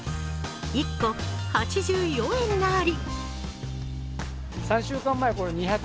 １個８４円なり。